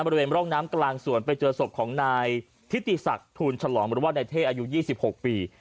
บริเวณร่องน้ำกลางสวนไปเจอศพของนายทิติศักดิ์ทูลฉลองหรือว่านายเท่อายุ๒๖ปี